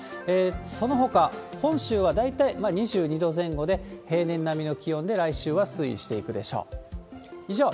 そのほか、本州は大体２２度前後で、平年並みの気温で来週は推移していくでしょう。